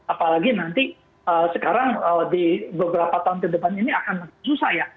apalagi nanti sekarang di beberapa tahun ke depan ini akan susah ya